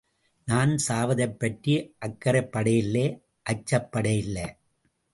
நான் சாவதைப் பற்றி அக்கறைப்படலே அச்சப்படலே.